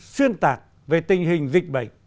xuyên tạc về tình hình dịch bệnh